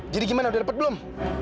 jadi gimana udah dapet belum